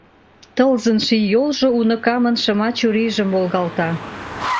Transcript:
Тылзын ший йолжо уныкамын шыма чурийжым волгалта.